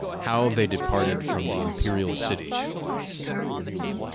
HOW THEY DEPARTED FROM THE IMPERIAL CITY.